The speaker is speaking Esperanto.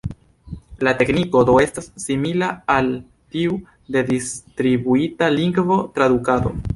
La tekniko do estas simila al tiu de Distribuita Lingvo-Tradukado.